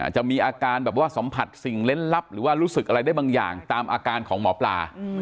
จะมีอาการแบบว่าสัมผัสสิ่งเล่นลับหรือว่ารู้สึกอะไรได้บางอย่างตามอาการของหมอปลา